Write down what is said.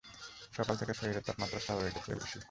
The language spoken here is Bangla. সকাল থেকেই শরীর তাপমাত্রা স্বাভাবিকের চেয়ে বেশি।